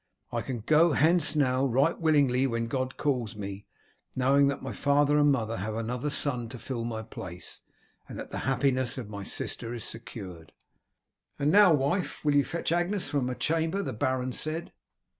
I can go hence now right willingly when God calls me, knowing that my father and mother have another son to fill my place, and that the happiness of my sister is secured." "And now, wife, will you fetch Agnes from her chamber," the baron said.